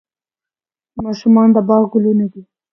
ماشومان د باغ ګلونه دي